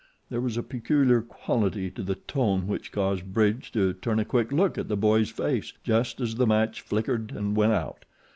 There was a peculiar quality to the tone which caused Bridge to turn a quick look at the boy's face, just as the match flickered and went out.